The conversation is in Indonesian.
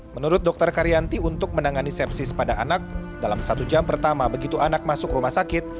menurut dokter karyanti untuk menangani sepsis pada anak dalam satu jam pertama begitu anak masuk rumah sakit